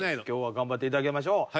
今日は頑張っていただきましょう。